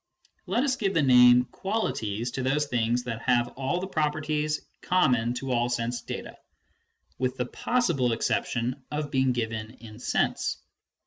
Let us give the name " qualities " to those things that have all the properties common to all sense data, with the possible exception of being given in sense.